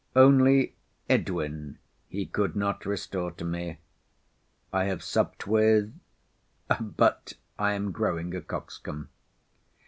Only Edwin he could not restore to me. I have supped with ——; but I am growing a coxcomb.